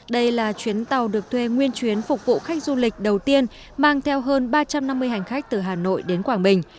đây là chuyến tàu được thuê nguyên chuyến phục vụ khách du lịch đầu tiên mang theo hơn ba trăm năm mươi hành khách từ hà nội đến quảng bình